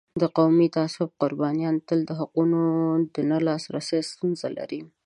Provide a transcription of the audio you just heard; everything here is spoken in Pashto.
د قومي تعصب قربانیان تل د حقونو د نه لاسرسی ستونزه لري.